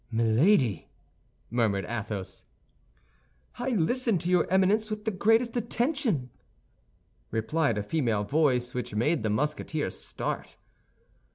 "Milady!" murmured Athos. "I listen to your Eminence with greatest attention," replied a female voice which made the Musketeer start.